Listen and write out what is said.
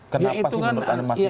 kenapa sih menurut anda